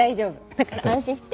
だから安心して。